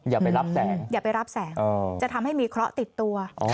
อย่าไปรับแสนอย่าไปรับแสนจะทำให้มีเคราะห์ติดตัว